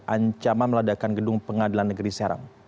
ancaman ledakan gedung pengadilan negeri serang